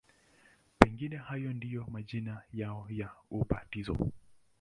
Pengine hayo ndiyo majina yao ya ubatizo.